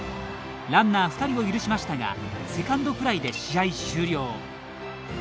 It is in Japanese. ランナー２人を許しましたがセカンドフライで試合終了。